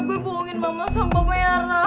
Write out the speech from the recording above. gue hubungin mama sama maera